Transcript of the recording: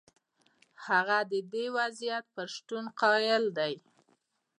هغه د دې وضعیت پر شتون قایل دی.